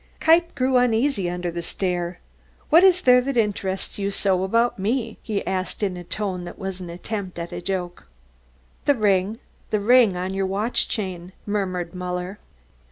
Kniepp grew uneasy under the stare. "What is there that interests you so about me?" he asked in a tone that was an attempt at a joke. "The ring, the ring on your watch chain," murmured Muller.